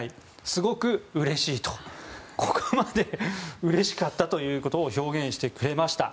すごくうれしいとここまでうれしかったということ表現してくれました。